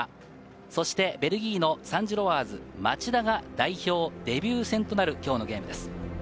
そして、ベルギーのサンジロワーズ・町田が代表デビュー戦となる、きょうのゲームです。